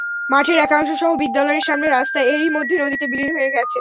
মাঠের একাংশসহ বিদ্যালয়ের সামনের রাস্তা এরই মধ্যে নদীতে বিলীন হয়ে গেছে।